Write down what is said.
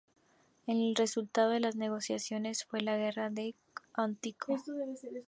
El resultado de las negociaciones fue la guerra con Antíoco.